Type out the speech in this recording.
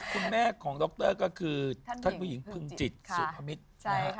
คุณแม่ของดรก็คือท่านผู้หญิงพึงจิตสุพมิตรนะฮะ